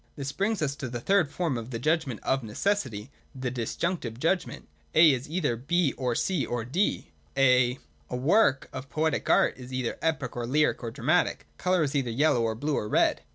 This brings us to the third form of the Judgment of Necessity, the Dis junctive judgment. A is either B ov C or D. A work of poetic art is either epic or lyric or dramatic. Colour is either yellow or blue or red.